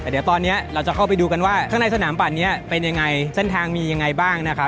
แต่เดี๋ยวตอนนี้เราจะเข้าไปดูกันว่าข้างในสนามปั่นนี้เป็นยังไงเส้นทางมียังไงบ้างนะครับ